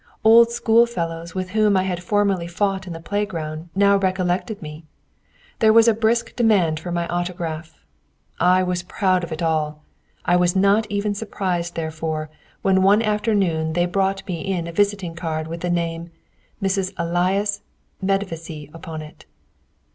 Old school fellows with whom I had formerly fought in the playground now recollected me. There was a brisk demand for my autograph. I was proud of it all. I was not even surprised, therefore, when one afternoon they brought into me a visiting card with the name "Mrs. Esaias Medvési" upon it.